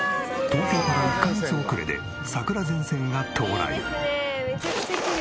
東京から１カ月遅れで桜前線が到来。